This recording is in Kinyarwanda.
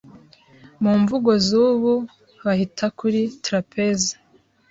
mu nvugo z’ubu bahita kuli trapèze